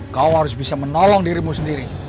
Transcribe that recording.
kau harus bisa menolong dirimu sendiri